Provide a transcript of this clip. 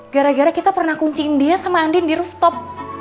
gara gara kita pernah kunciin dia sama andien di rooftop